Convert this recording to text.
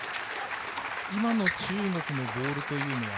今の中国のボールというのは。